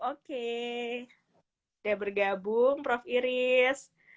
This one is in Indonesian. oke sudah bergabung prof iris